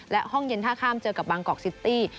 และห้องเย็นท่าข้ามเจอกับบางกอกซิตี้